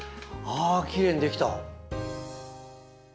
あきれいにできた。